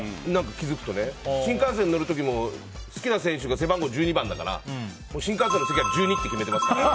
新幹線乗る時も好きな選手が背番号１２番だから新幹線の席は１２って決めていますから。